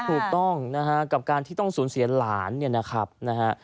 ถูกต้องนะฮะกับการที่ต้องสูญเสียหลานเนี่ยนะครับนะฮะ